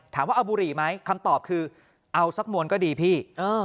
ถามว่าเอาบุหรี่ไหมคำตอบคือเอาสักมวลก็ดีพี่